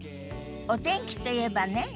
お天気といえばね